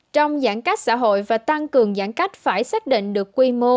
trong giãn cách xã hội và tăng cường giãn cách phải xác định được quy mô